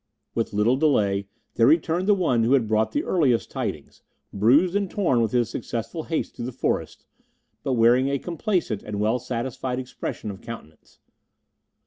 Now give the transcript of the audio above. With little delay there returned the one who had brought the earliest tidings, bruised and torn with his successful haste through the forest, but wearing a complacent and well satisfied expression of countenance.